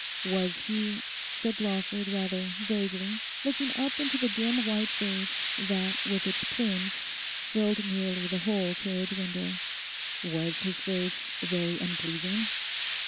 'Was he,' said Lawford rather vaguely, looking up into the dim white face that with its plumes filled nearly the whole carriage window, 'was his face very unpleasing?